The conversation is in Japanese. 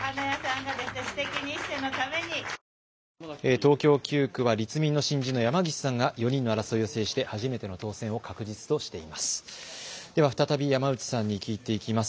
東京９区は立民の新人の山岸さんが４人の争いを制して初めての当選を確実としています。